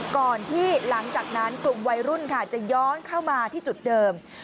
ก่อนที่หลังจากนั้นกลุ่มวัยรุ่นค่ะจะย้อนเข้ามาที่จุดเดิม